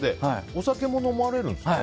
お酒も飲まれるんですか？